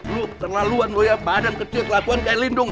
lu terlaluan lo ya badan kecil lakuan kayak lindung